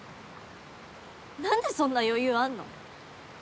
何でそんな余裕あんの？